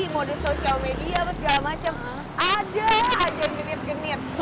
mode sosial media dan segala macam ada aja yang genit genit